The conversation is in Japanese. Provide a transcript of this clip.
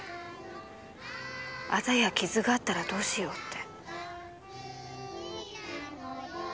アザや傷があったらどうしようって。